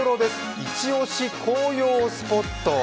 イチオシ紅葉スポット」